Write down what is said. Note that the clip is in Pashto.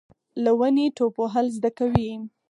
له ونې ټوپ وهل زده کوي .